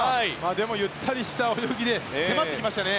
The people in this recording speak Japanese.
でも、ゆったりした泳ぎで迫ってきましたね。